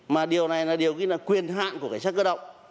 mà điều này là điều khi là quyền hạn của cảnh sát cơ động